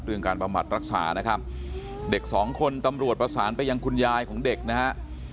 การบำบัดรักษานะครับเด็กสองคนตำรวจประสานไปยังคุณยายของเด็กนะฮะ